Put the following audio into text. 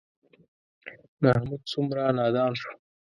محمود څومره نادان شو.